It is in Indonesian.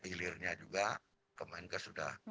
hilirnya juga kemungkinan sudah